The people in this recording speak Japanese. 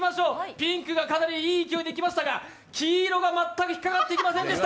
ピンクがかなりいい勢いで行きましたが黄色が全く引っかかっていきませんでした。